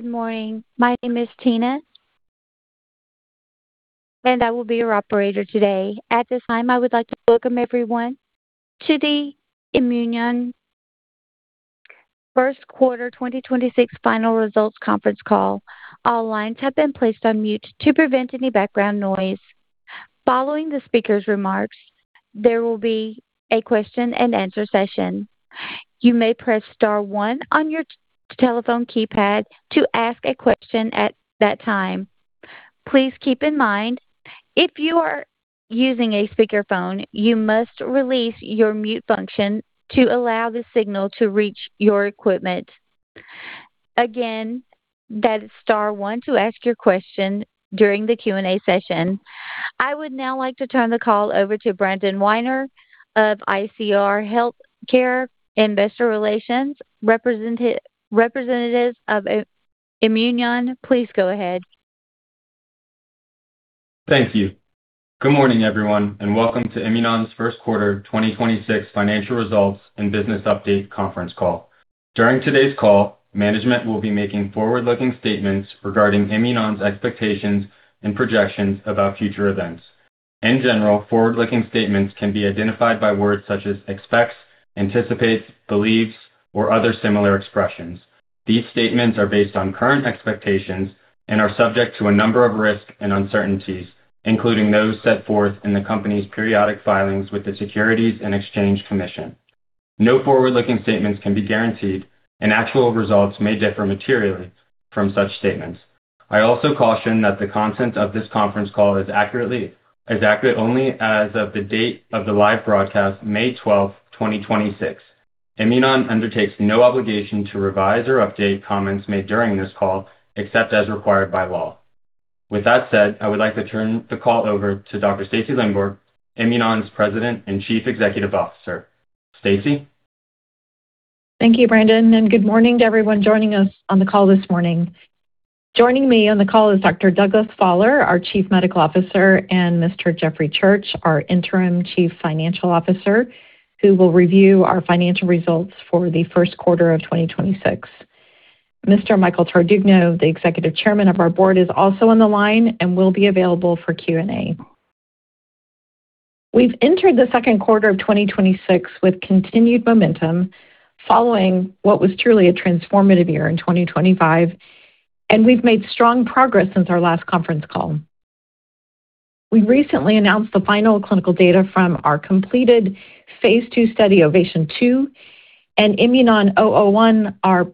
Good morning. My name is Tina, and I will be your operator today. At this time, I would like to welcome everyone to the Imunon First Quarter 2026 Final Results Conference Call. All lines have been placed on mute to prevent any background noise. Following the speaker's remarks, there will be a question-and-answer session. You may press star one on your telephone keypad to ask a question at that time. Please keep in mind, if you are using a speakerphone, you must release your mute function to allow the signal to reach your equipment. Again, that is star one to ask your question during the Q&A session. I would now like to turn the call over to Brandon Weiner of ICR Healthcare Investor Relations. Representatives of Imunon, please go ahead. Thank you. Good morning, everyone, and welcome to Imunon's First Quarter 2026 Financial Results and Business Update Conference Call. During today's call, management will be making forward-looking statements regarding Imunon's expectations and projections about future events. In general, forward-looking statements can be identified by words such as expects, anticipates, believes, or other similar expressions. These statements are based on current expectations and are subject to a number of risks and uncertainties, including those set forth in the company's periodic filings with the Securities and Exchange Commission. No forward-looking statements can be guaranteed. Actual results may differ materially from such statements. I also caution that the content of this conference call is accurate only as of the date of the live broadcast, May 12, 2026. Imunon undertakes no obligation to revise or update comments made during this call, except as required by law. With that said, I would like to turn the call over to Dr. Stacy Lindborg, Imunon's President and Chief Executive Officer. Stacy? Thank you, Brandon. Good morning to everyone joining us on the call this morning. Joining me on the call is Dr. Douglas Faller, our Chief Medical Officer, and Mr. Jeffrey Church, our Interim Chief Financial Officer, who will review our financial results for the first quarter of 2026. Mr. Michael Tardugno, the Executive Chairman of our board, is also on the line and will be available for Q&A. We've entered the second quarter of 2026 with continued momentum following what was truly a transformative year in 2025. We've made strong progress since our last conference call. We recently announced the final clinical data from our completed Phase II study, OVATION 2. IMNN 001, our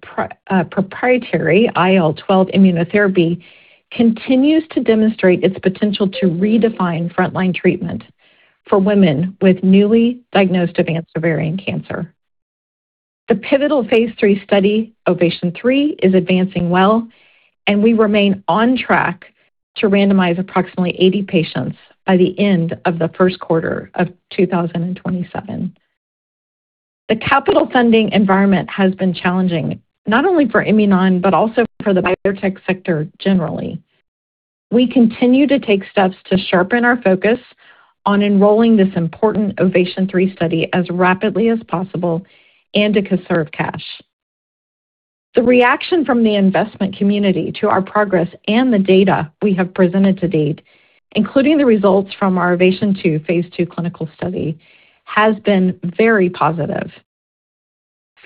proprietary IL-12 immunotherapy, continues to demonstrate its potential to redefine frontline treatment for women with newly diagnosed advanced ovarian cancer. The pivotal phase III study, OVATION 3, is advancing well. We remain on track to randomize approximately 80 patients by the end of the first quarter of 2027. The capital funding environment has been challenging, not only for Imunon but also for the biotech sector generally. We continue to take steps to sharpen our focus on enrolling this important OVATION 3 study as rapidly as possible and to conserve cash. The reaction from the investment community to our progress and the data we have presented to date, including the results from our OVATION 2 phase II clinical study, has been very positive.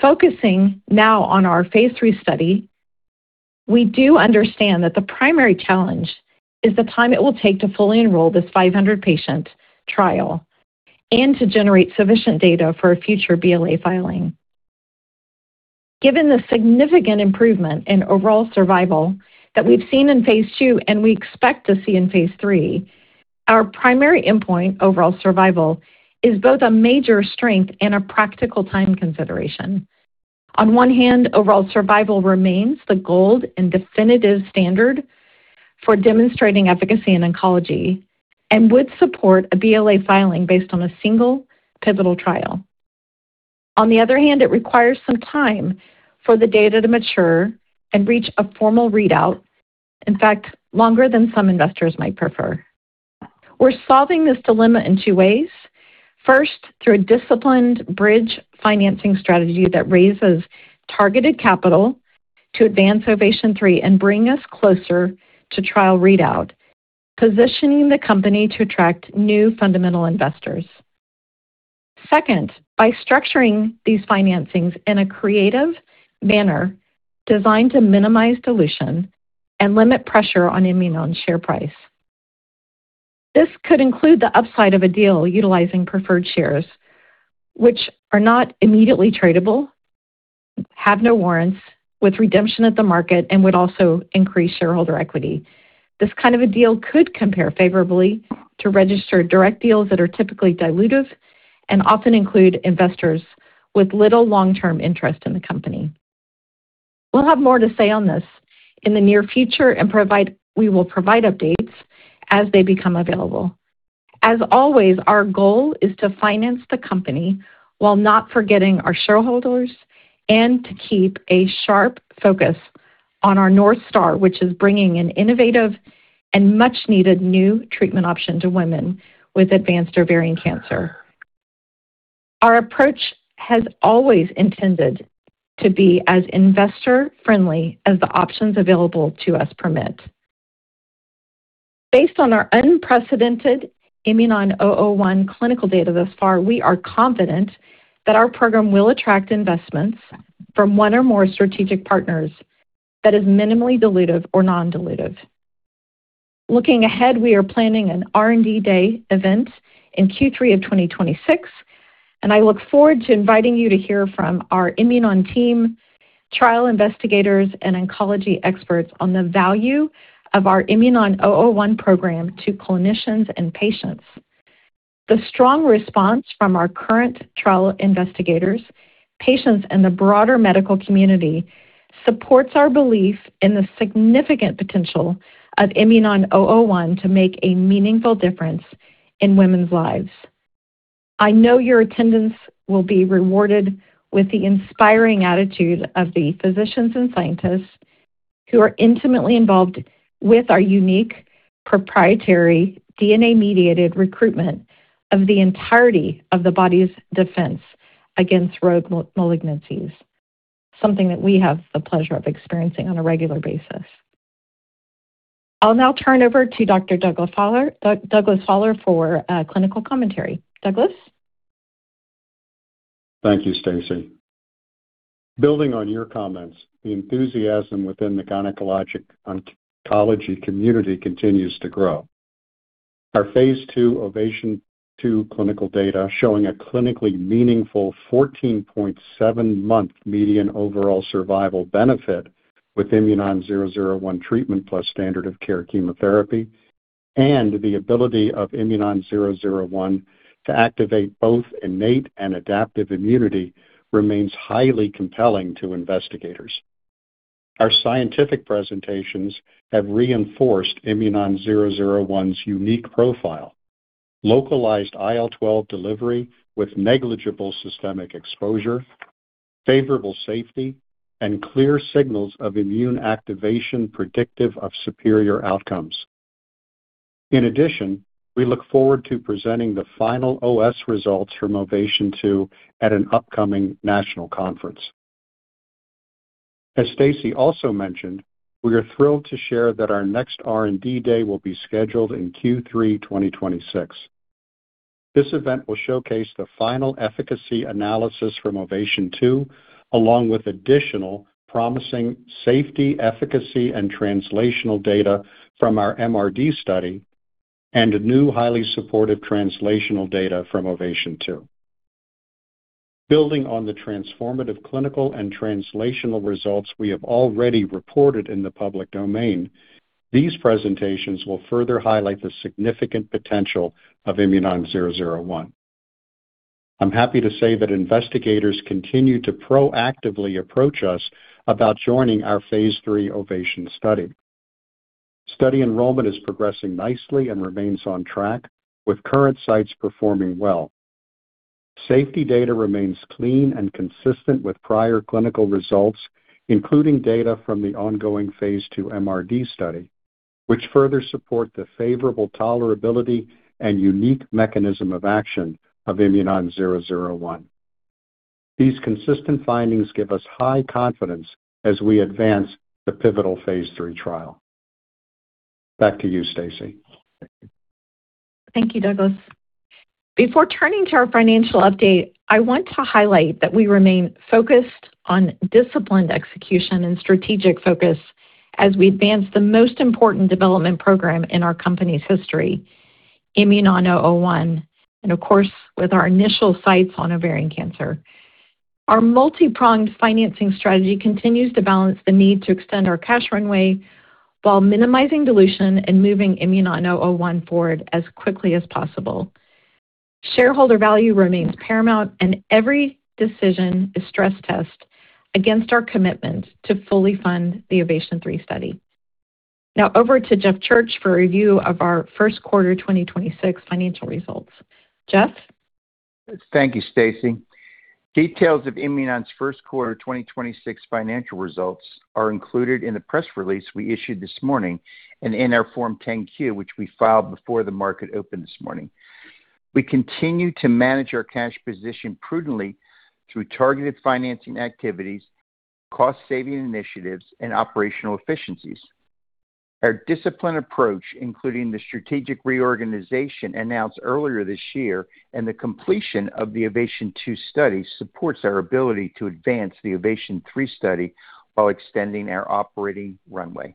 Focusing now on our phase III study, we do understand that the primary challenge is the time it will take to fully enroll this 500-patient trial and to generate sufficient data for a future BLA filing. Given the significant improvement in overall survival that we've seen in phase II and we expect to see in phase III, our primary endpoint, overall survival, is both a major strength and a practical time consideration. On one hand, overall survival remains the gold and definitive standard for demonstrating efficacy in oncology and would support a BLA filing based on a single pivotal trial. On the other hand, it requires some time for the data to mature and reach a formal readout, in fact, longer than some investors might prefer. We're solving this dilemma in two ways. First, through a disciplined bridge financing strategy that raises targeted capital to advance OVATION 3 and bring us closer to trial readout, positioning the company to attract new fundamental investors. Second, by structuring these financings in a creative manner designed to minimize dilution and limit pressure on Imunon's share price. This could include the upside of a deal utilizing preferred shares, which are not immediately tradable, have no warrants with redemption at the market, and would also increase shareholder equity. This kind of a deal could compare favorably to registered direct deals that are typically dilutive and often include investors with little long-term interest in the company. We'll have more to say on this in the near future and we will provide updates as they become available. As always, our goal is to finance the company while not forgetting our shareholders and to keep a sharp focus on our North Star, which is bringing an innovative and much-needed new treatment option to women with advanced ovarian cancer. Our approach has always intended to be as investor-friendly as the options available to us permit. Based on our unprecedented IMNN-001 clinical data thus far, we are confident that our program will attract investments from one or more strategic partners that is minimally dilutive or non-dilutive. Looking ahead, we are planning an R&D Day event in Q3 of 2026, I look forward to inviting you to hear from our Imunon team, trial investigators, and oncology experts on the value of our IMNN-001 program to clinicians and patients. The strong response from our current trial investigators, patients, and the broader medical community supports our belief in the significant potential of IMNN-001 to make a meaningful difference in women's lives. I know your attendance will be rewarded with the inspiring attitude of the physicians and scientists who are intimately involved with our unique proprietary DNA-mediated recruitment of the entirety of the body's defense against rogue malignancies. Something that we have the pleasure of experiencing on a regular basis. I'll now turn over to Dr. Douglas Faller for clinical commentary. Douglas? Thank you, Stacy. Building on your comments, the enthusiasm within the gynecologic oncology community continues to grow. Our phase II OVATION 2 clinical data showing a clinically meaningful 14.7-month median overall survival benefit with IMNN-001 treatment plus standard of care chemotherapy and the ability of IMNN-001 to activate both innate and adaptive immunity remains highly compelling to investigators. Our scientific presentations have reinforced IMNN-001's unique profile, localized IL-12 delivery with negligible systemic exposure, favorable safety, and clear signals of immune activation predictive of superior outcomes. In addition, we look forward to presenting the final OS results from OVATION 2 at an upcoming national conference. As Stacy also mentioned, we are thrilled to share that our next R&D day will be scheduled in Q3 2026. This event will showcase the final efficacy analysis from OVATION 2, along with additional promising safety, efficacy, and translational data from our MRD study and new highly supportive translational data from OVATION 2. Building on the transformative clinical and translational results we have already reported in the public domain, these presentations will further highlight the significant potential of IMNN-001. I'm happy to say that investigators continue to proactively approach us about joining our phase III OVATION study. Study enrollment is progressing nicely and remains on track, with current sites performing well. Safety data remains clean and consistent with prior clinical results, including data from the ongoing phase II MRD study, which further support the favorable tolerability and unique mechanism of action of IMNN-001. These consistent findings give us high confidence as we advance the pivotal phase III trial. Back to you, Stacy. Thank you, Douglas. Before turning to our financial update, I want to highlight that we remain focused on disciplined execution and strategic focus as we advance the most important development program in our company's history, IMNN-001, and of course, with our initial sites on ovarian cancer. Our multi-pronged financing strategy continues to balance the need to extend our cash runway while minimizing dilution and moving IMNN-001 forward as quickly as possible. Shareholder value remains paramount, and every decision is stress-tested against our commitment to fully fund the OVATION 3 study. Now over to Jeff Church for a review of our first quarter 2026 financial results. Jeff? Thank you, Stacy. Details of Imunon's first quarter 2026 financial results are included in the press release we issued this morning and in our Form 10-Q, which we filed before the market opened this morning. We continue to manage our cash position prudently through targeted financing activities, cost-saving initiatives, and operational efficiencies. Our disciplined approach, including the strategic reorganization announced earlier this year and the completion of the OVATION 2 study, supports our ability to advance the OVATION 3 study while extending our operating runway.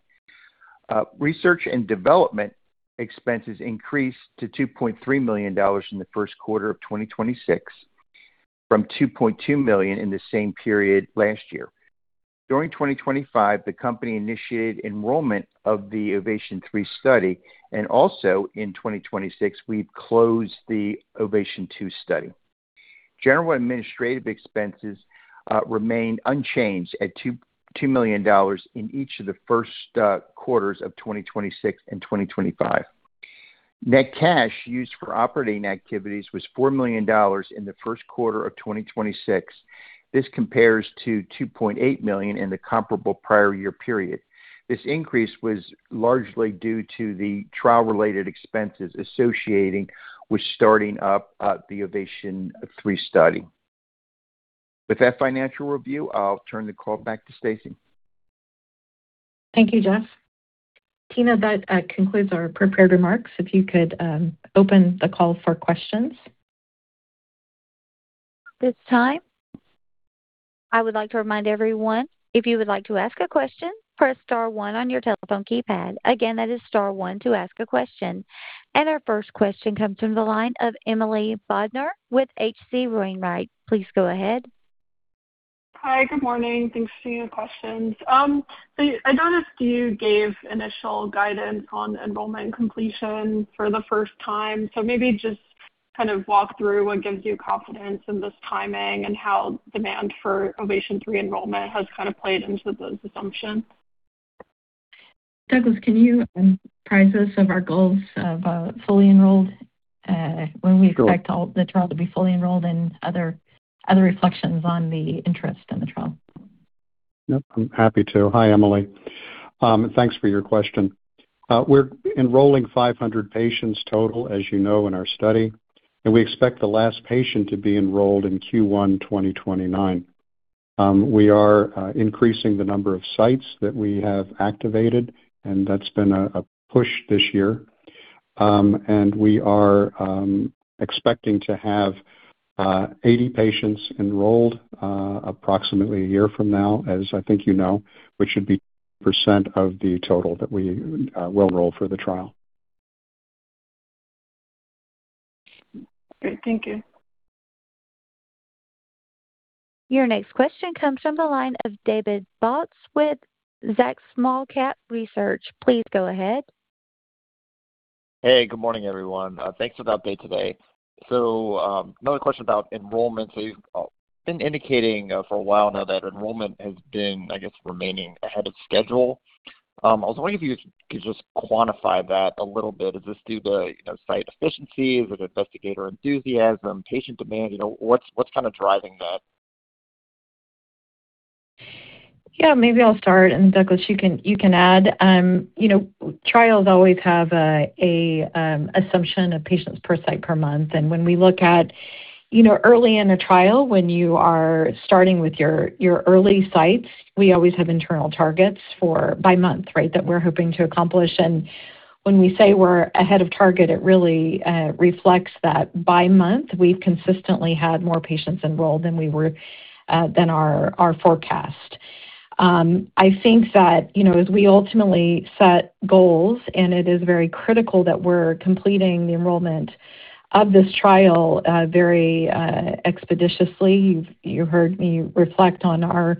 Research and development expenses increased to $2.3 million in the first quarter of 2026 from $2.2 million in the same period last year. During 2025, the company initiated enrollment of the OVATION 3 study, and also in 2026, we've closed the OVATION 2 study. General administrative expenses remained unchanged at $2.2 million in each of the first quarters of 2026 and 2025. Net cash used for operating activities was $4 million in the first quarter of 2026. This compares to $2.8 million in the comparable prior year period. This increase was largely due to the trial-related expenses associating with starting up the OVATION 3 study. With that financial review, I'll turn the call back to Stacy. Thank you, Jeff. Tina, that concludes our prepared remarks. If you could open the call for questions. Our first question comes from the line of Emily Bodnar with H.C. Wainwright. Please go ahead. Hi. Good morning. Thanks for taking the questions. I noticed you gave initial guidance on enrollment completion for the first time. Maybe just kind of walk through what gives you confidence in this timing and how demand for OVATION 3 enrollment has kind of played into those assumptions. Douglas, can you apprise us of our goals of fully enrolled? Sure when we expect all the trial to be fully enrolled and other reflections on the interest in the trial? Yep, I'm happy to. Hi, Emily. Thanks for your question. We're enrolling 500 patients total, as you know, in our study, and we expect the last patient to be enrolled in Q1 2029. We are increasing the number of sites that we have activated, and that's been a push this year. We are expecting to have 80 patients enrolled approximately a year from now, as I think you know, which would be % of the total that we will enroll for the trial. Great. Thank you. Your next question comes from the line of David Bautz with Zacks Small Cap Research. Please go ahead. Hey, good morning, everyone. Thanks for the update today. Another question about enrollment. You've been indicating for a while now that enrollment has been, I guess, remaining ahead of schedule. I was wondering if you could just quantify that a little bit. Is this due to, you know, site efficiency? Is it investigator enthusiasm, patient demand? You know, what's kind of driving that? Yeah, maybe I'll start, and Douglas, you can add. You know, trials always have a assumption of patients per site per month. When we look at, you know, early in a trial when you are starting with your early sites, we always have internal targets for by month, right? That we're hoping to accomplish. When we say we're ahead of target, it really reflects that by month, we've consistently had more patients enrolled than we were than our forecast. I think that, you know, as we ultimately set goals and it is very critical that we're completing the enrollment of this trial very expeditiously. You heard me reflect on our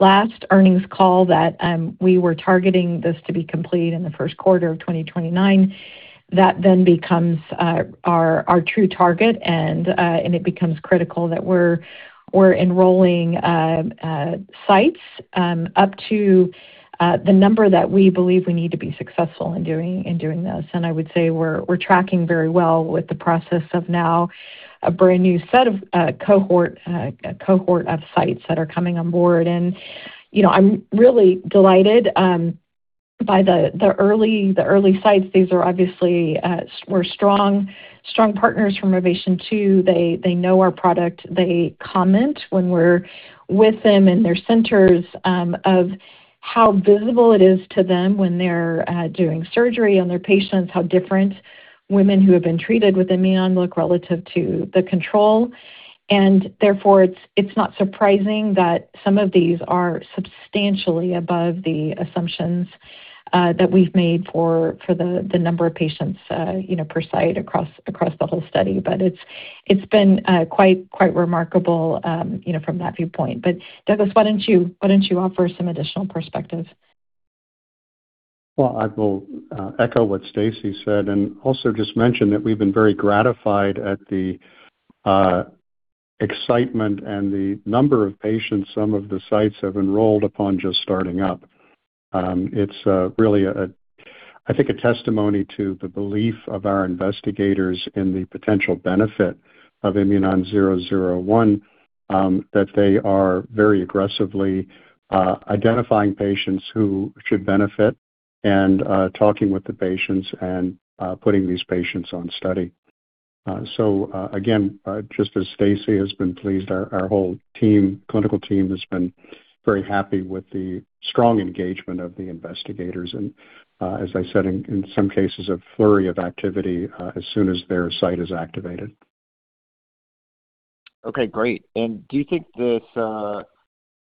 last earnings call that we were targeting this to be complete in the first quarter of 2029. That then becomes our true target and it becomes critical that we're enrolling sites up to the number that we believe we need to be successful in doing this. I would say we're tracking very well with the process of now a brand new set of cohort of sites that are coming on board. You know, I'm really delighted by the early sites. These are obviously strong partners from OVATION 2. They know our product. They comment when we're with them in their centers of how visible it is to them when they're doing surgery on their patients, how different women who have been treated with Imunon look relative to the control. Therefore, it's not surprising that some of these are substantially above the assumptions that we've made for the number of patients, you know, per site across the whole study. It's been quite remarkable, you know, from that viewpoint. Douglas, why don't you offer some additional perspective? Well, I will echo what Stacy said and also just mention that we've been very gratified at the excitement and the number of patients some of the sites have enrolled upon just starting up. It's really a, I think, a testimony to the belief of our investigators in the potential benefit of IMNN-001 that they are very aggressively identifying patients who should benefit and talking with the patients and putting these patients on study. Again, just as Stacy has been pleased, our whole team, clinical team has been very happy with the strong engagement of the investigators and, as I said, in some cases, a flurry of activity as soon as their site is activated. Okay. Great. Do you think this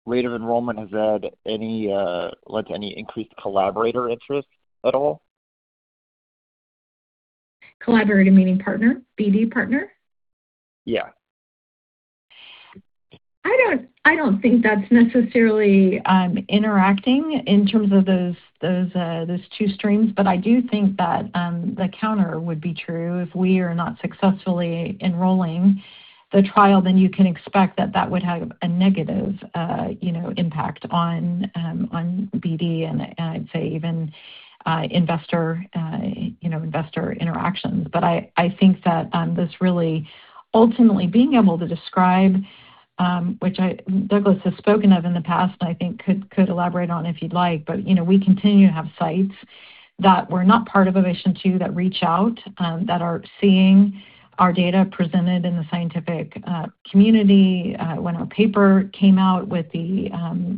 rate of enrollment has had any led to any increased collaborator interest at all? Collaborator meaning partner, BD partner? Yeah. I don't think that's necessarily interacting in terms of those two streams. I do think that the counter would be true. If we are not successfully enrolling the trial, then you can expect that that would have a negative, you know, impact on BD and I'd say even investor, you know, investor interactions. I think that this really ultimately being able to describe, which Douglas has spoken of in the past, and I think could elaborate on if you'd like. You know, we continue to have sites that were not part of OVATION 2 that reach out, that are seeing our data presented in the scientific community. When our paper came out with the,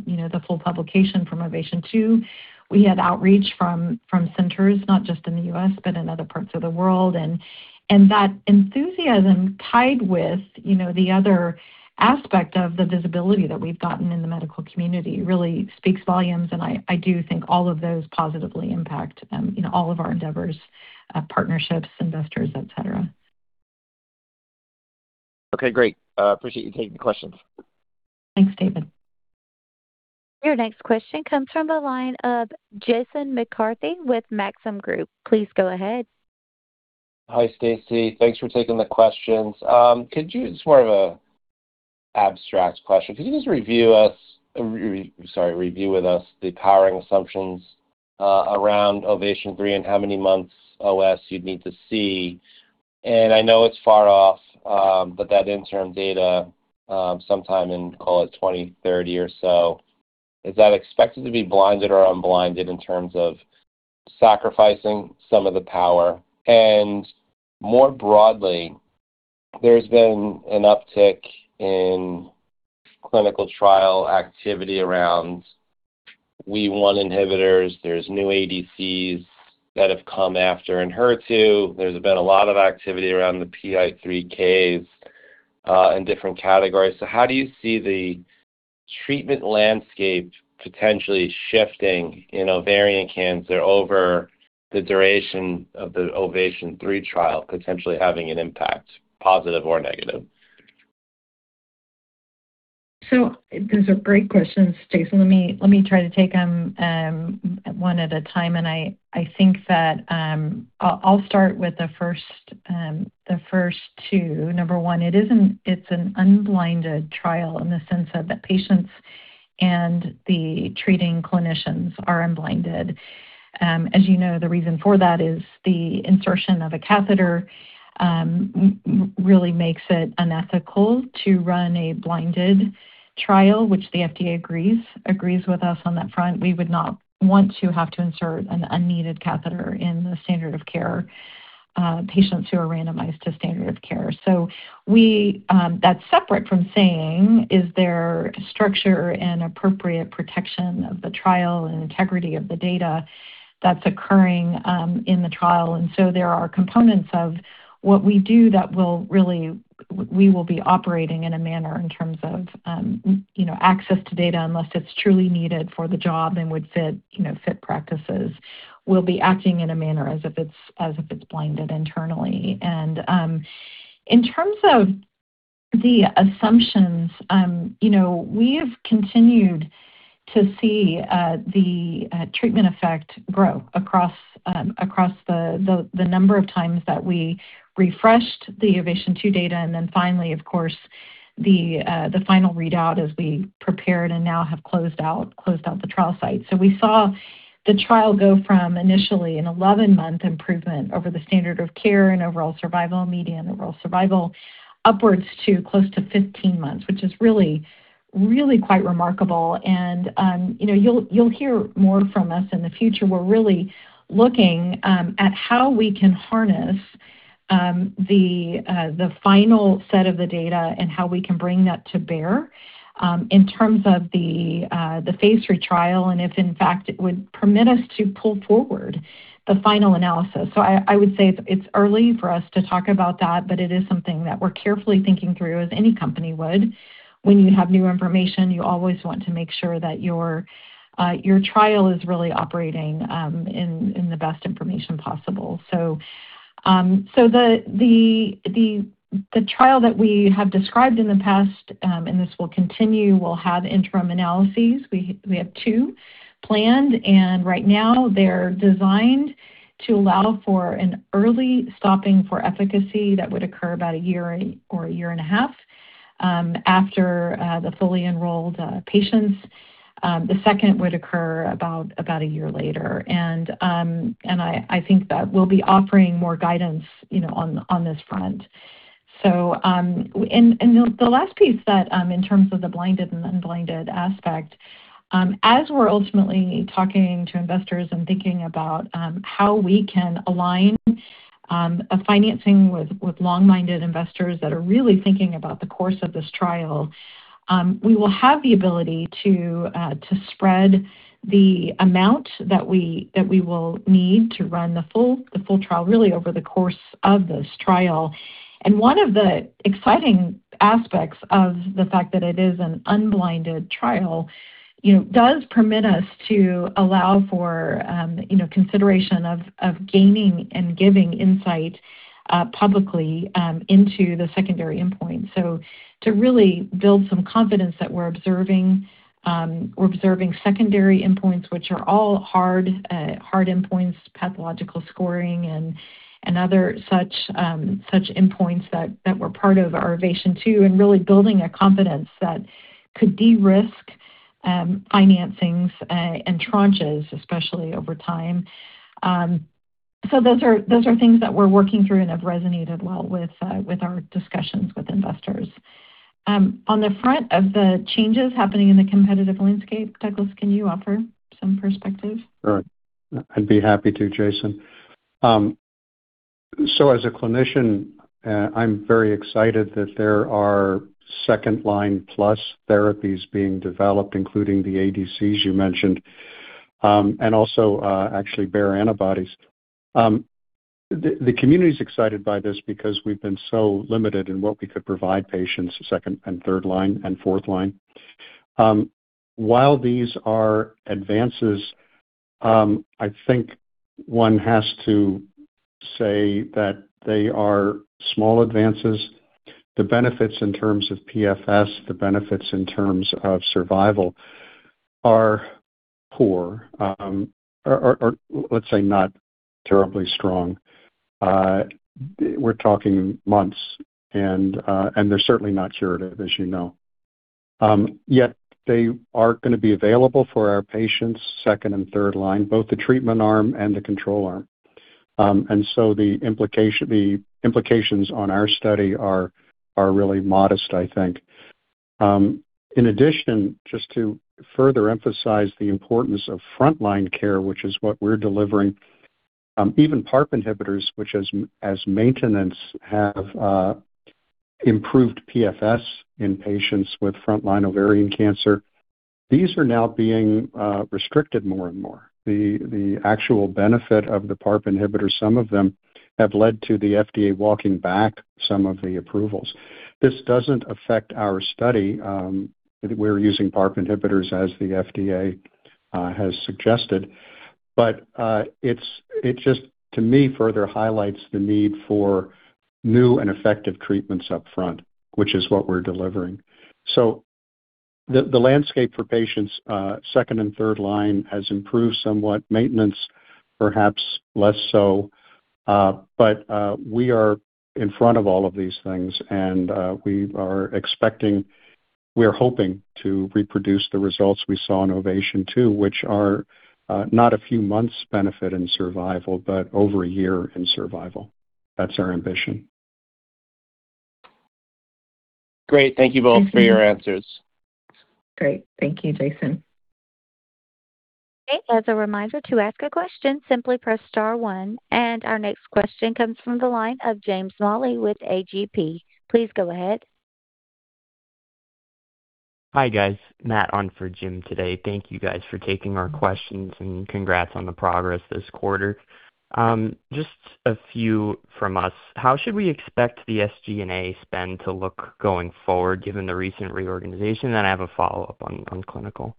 you know, the full publication from OVATION 2, we had outreach from centers, not just in the U.S., but in other parts of the world. That enthusiasm tied with, you know, the other aspect of the visibility that we've gotten in the medical community really speaks volumes, and I do think all of those positively impact, you know, all of our endeavors, partnerships, investors, et cetera. Okay, great. Appreciate you taking the questions. Thanks, David. Your next question comes from the line of Jason McCarthy with Maxim Group. Please go ahead. Hi, Stacy. Thanks for taking the questions. Could you It's more of a abstract question. Could you just review with us the powering assumptions around OVATION 3 and how many months OS you'd need to see? I know it's far off, but that interim data, sometime in, call it 2030 or so, is that expected to be blinded or unblinded in terms of sacrificing some of the power? More broadly, there's been an uptick in clinical trial activity around WEE1 inhibitors. There's new ADCs that have come after in HER2. There's been a lot of activity around the PI3Ks in different categories. How do you see the treatment landscape potentially shifting in ovarian cancer over the duration of the OVATION 3 trial potentially having an impact, positive or negative? Those are great questions, Jason. Let me try to take them one at a time, and I think that I'll start with the first, the first two. Number one, it's an unblinded trial in the sense that the patients and the treating clinicians are unblinded. As you know, the reason for that is the insertion of a catheter really makes it unethical to run a blinded trial, which the FDA agrees with us on that front. We would not want to have to insert an unneeded catheter in the standard of care patients who are randomized to standard of care. That's separate from saying, is there structure and appropriate protection of the trial and integrity of the data that's occurring in the trial? There are components of what we do that really we will be operating in a manner in terms of, you know, access to data unless it's truly needed for the job and would fit practices. We'll be acting in a manner as if it's, as if it's blinded internally. In terms of the assumptions, you know, we have continued to see the treatment effect grow across across the number of times that we refreshed the OVATION 2 data, then finally, of course, the final readout as we prepared and now have closed out the trial site. We saw the trial go from initially an 11-month improvement over the standard of care in overall survival, median overall survival, upwards to close to 15 months, which is really quite remarkable. You know, you'll hear more from us in the future. We're really looking at how we can harness the final set of the data and how we can bring that to bear in terms of the Phase III trial and if in fact it would permit us to pull forward the final analysis. I would say it's early for us to talk about that, but it is something that we're carefully thinking through as any company would. When you have new information, you always want to make sure that your trial is really operating in the best information possible. The trial that we have described in the past, and this will continue, will have interim analyses. We have two planned, right now they're designed to allow for an early stopping for efficacy that would occur about a year or a year and a half after the fully enrolled patients. The second would occur about a year later. I think that we'll be offering more guidance, you know, on this front. The last piece that in terms of the blinded and unblinded aspect, as we're ultimately talking to investors and thinking about how we can align a financing with long-minded investors that are really thinking about the course of this trial, we will have the ability to spread the amount that we will need to run the full trial really over the course of this trial. One of the exciting aspects of the fact that it is an unblinded trial does permit us to allow for consideration of gaining and giving insight publicly into the secondary endpoint. To really build some confidence that we're observing secondary endpoints, which are all hard endpoints, pathological scoring and other such endpoints that were part of our OVATION 2 and really building a confidence that could de-risk financings and tranches, especially over time. Those are things that we're working through and have resonated well with our discussions with investors. On the front of the changes happening in the competitive landscape, Douglas, can you offer some perspective? Sure. I'd be happy to, Jason. As a clinician, I'm very excited that there are second-line plus therapies being developed, including the ADCs you mentioned, and also, actually bare antibodies. The community's excited by this because we've been so limited in what we could provide patients second and third line and fourth line. While these are advances, I think one has to say that they are small advances. The benefits in terms of PFS, the benefits in terms of survival are poor, or let's say not terribly strong. We're talking months and they're certainly not curative, as you know. They are gonna be available for our patients second and third line, both the treatment arm and the control arm. The implications on our study are really modest, I think. In addition, just to further emphasize the importance of frontline care, which is what we're delivering, even PARP inhibitors, which as maintenance have improved PFS in patients with frontline ovarian cancer, these are now being restricted more and more. The actual benefit of the PARP inhibitors, some of them have led to the FDA walking back some of the approvals. This doesn't affect our study. We're using PARP inhibitors as the FDA has suggested. It just to me further highlights the need for new and effective treatments up front, which is what we're delivering. The landscape for patients, second and third line has improved somewhat, maintenance perhaps less so. We are in front of all of these things, and, we are hoping to reproduce the results we saw in OVATION 2, which are, not a few months benefit in survival but over a year in survival. That's our ambition. Great. Thank you both for your answers. Great. Thank you, Jason. As a reminder, to ask a question, simply press star one. Our next question comes from the line of James Molloy with A.G.P. Please go ahead. Hi, guys. Matt on for Jim today. Thank you guys for taking our questions, and congrats on the progress this quarter. Just a few from us. How should we expect the SG&A spend to look going forward given the recent reorganization? I have a follow-up on clinical.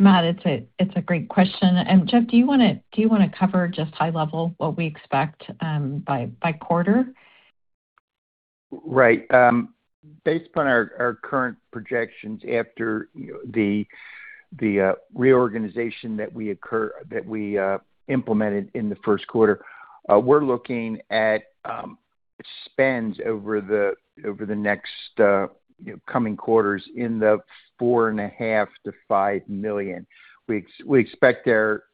Matt, it's a great question. Jeff, do you wanna cover just high level what we expect by quarter? Right. Based upon our current projections after, you know, the reorganization that we implemented in the first quarter, we're looking at spends over the, over the next, you know, coming quarters in the four and a half to five million. We expect our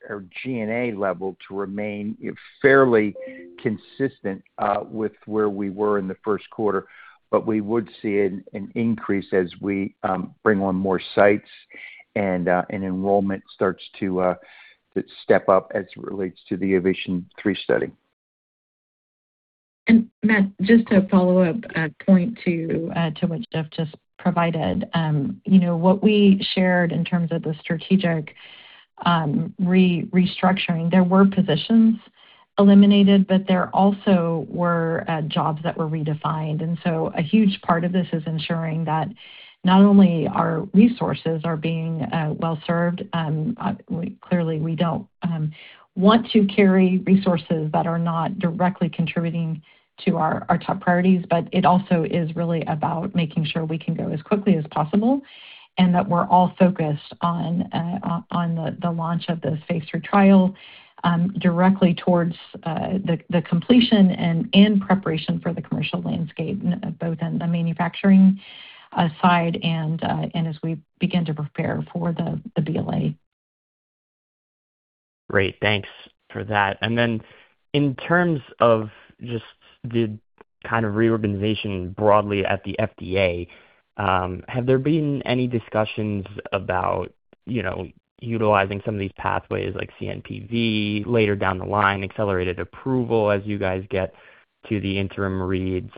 G&A level to remain fairly consistent with where we were in the first quarter, but we would see an increase as we bring on more sites and enrollment starts to step up as it relates to the OVATION III study. Matt, just to follow up, point to what Jeff just provided, you know, what we shared in terms of the strategic restructuring, there were positions eliminated, but there also were jobs that were redefined. A huge part of this is ensuring that not only our resources are being well-served, clearly we don't want to carry resources that are not directly contributing to our top priorities, but it also is really about making sure we can go as quickly as possible and that we're all focused on the launch of this phase III trial directly towards the completion and preparation for the commercial landscape, both on the manufacturing side and as we begin to prepare for the BLA. Great. Thanks for that. Then in terms of just the kind of reorganization broadly at the FDA, have there been any discussions about, you know, utilizing some of these pathways like CNPV later down the line, accelerated approval as you guys get to the interim reads?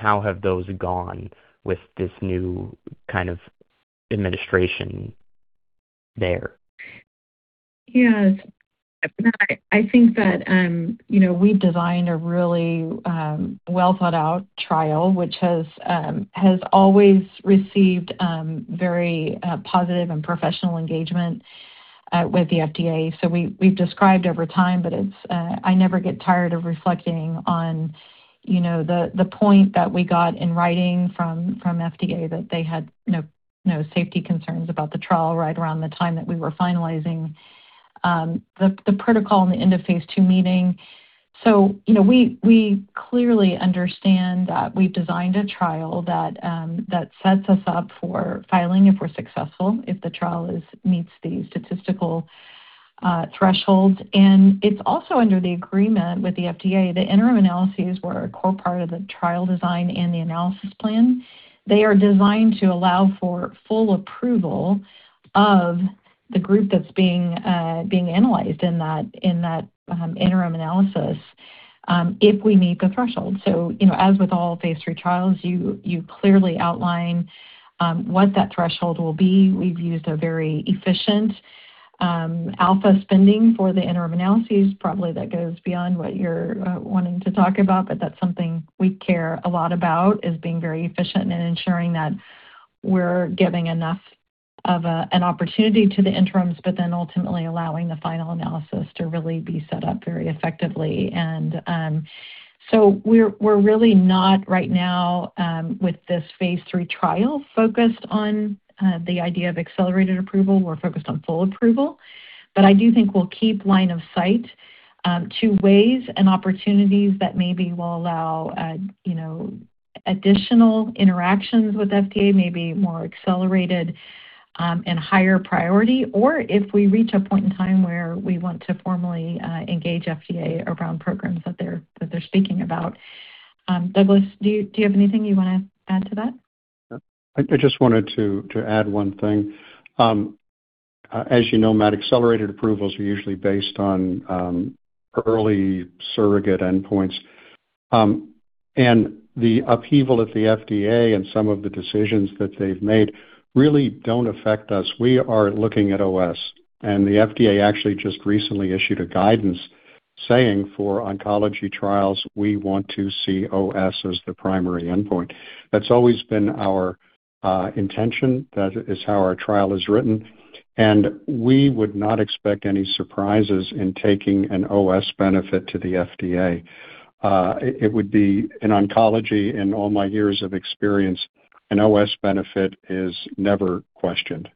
How have those gone with this new kind of administration there? Yes. Matt, I think that, you know, we've designed a really well-thought-out trial, which has always received very positive and professional engagement with the FDA. We, we've described over time, but it's, I never get tired of reflecting on, you know, the point that we got in writing from FDA that they had no safety concerns about the trial right around the time that we were finalizing the protocol and the end of phase II meeting. You know, we clearly understand that we've designed a trial that sets us up for filing if we're successful, if the trial meets the statistical thresholds. It's also under the agreement with the FDA. The interim analyses were a core part of the trial design and the analysis plan. They are designed to allow for full approval of the group that's being analyzed in that, in that interim analysis, if we meet the threshold. You know, as with all phase III trials, you clearly outline what that threshold will be. We've used a very efficient alpha spending for the interim analyses. Probably that goes beyond what you're wanting to talk about, but that's something we care a lot about, is being very efficient and ensuring that we're giving enough of an opportunity to the interims, but then ultimately allowing the final analysis to really be set up very effectively. We're really not right now with this phase III trial focused on the idea of accelerated approval. We're focused on full approval. I do think we'll keep line of sight, to ways and opportunities that maybe will allow, you know, additional interactions with FDA, maybe more accelerated, and higher priority, or if we reach a point in time where we want to formally engage FDA around programs that they're speaking about. Douglas, do you have anything you wanna add to that? I just wanted to add one thing. As you know, Matt, accelerated approvals are usually based on early surrogate endpoints. The upheaval at the FDA and some of the decisions that they've made really don't affect us. We are looking at OS, and the FDA actually just recently issued a guidance saying for oncology trials, we want to see OS as the primary endpoint. That's always been our intention. That is how our trial is written, and we would not expect any surprises in taking an OS benefit to the FDA. It would be an oncology in all my years of experience, an OS benefit is never questioned.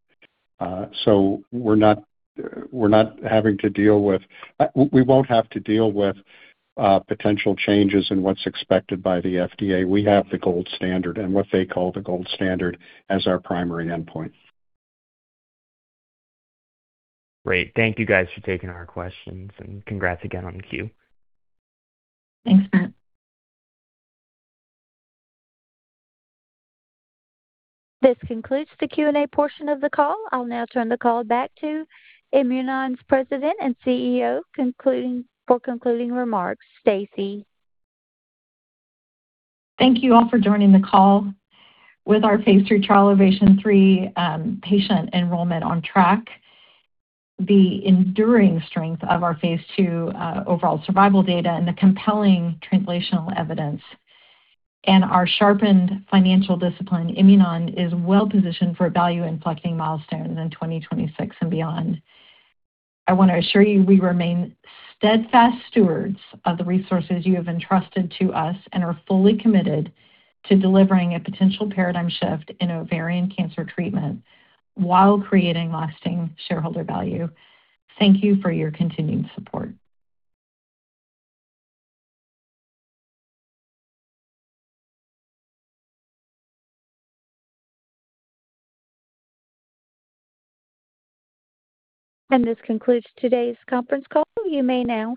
We won't have to deal with potential changes in what's expected by the FDA. We have the gold standard and what they call the gold standard as our primary endpoint. Great. Thank you guys for taking our questions, and congrats again on Q. Thanks, Matt. This concludes the Q&A portion of the call. I'll now turn the call back to Imunon's President and CEO for concluding remarks. Stacy? Thank you all for joining the call. With our phase III trial OVATION 3, patient enrollment on track, the enduring strength of our phase II overall survival data and the compelling translational evidence and our sharpened financial discipline, Imunon is well-positioned for a value-inflecting milestone in 2026 and beyond. I wanna assure you we remain steadfast stewards of the resources you have entrusted to us and are fully committed to delivering a potential paradigm shift in ovarian cancer treatment while creating lasting shareholder value. Thank you for your continuing support. This concludes today's conference call. You may now disconnect.